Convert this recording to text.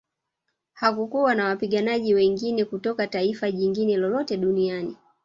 Hakukuwa na wapiganaji wengine kutoka taifa jingine lolote duniani